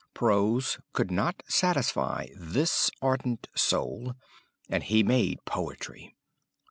"Prose could not satisfy this ardent soul, and he made poetry.